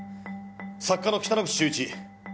作家の北之口秀一。